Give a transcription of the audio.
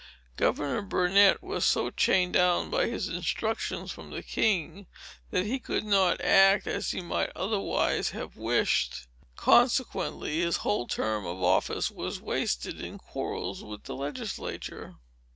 Governor Burnet was so chained down by his instructions from the king, that he could not act as he might otherwise have wished. Consequently, his whole term of office was wasted in quarrels with the legislature.